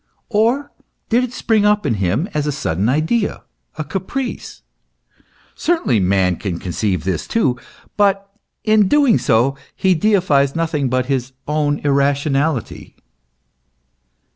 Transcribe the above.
Or did it spring up in him as a sudden idea, a caprice ? Certainly man can conceive this too ; but, in doing so, he deifies nothing but his own irrationality.